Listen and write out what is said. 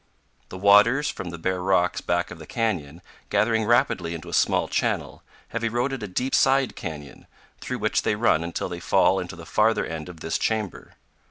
The waters from the bare rocks back of the canyon, gathering rapidly into a small channel, have eroded a deep side canyon, through which they run until they fall into the farther end of this chamber.